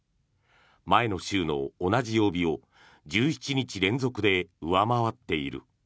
前の週の同じ曜日を１７日連続で上回っている。